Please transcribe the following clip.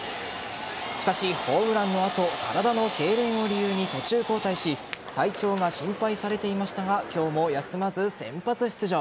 しかし、ホームランの後体のけいれんを理由に途中交代し体調が心配されていましたが今日も休まず先発出場。